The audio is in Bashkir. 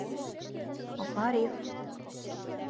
Ғариф: